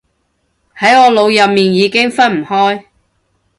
喺我腦入面已經分唔開